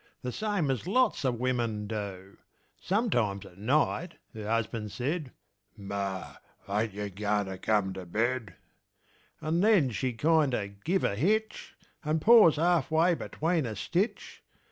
The same as lots of wimmin do; Sometimes at night her husban' said, "Ma, ain't you goin' to come to bed?" And then she'd kinder give a hitch, And pause half way between a stitch.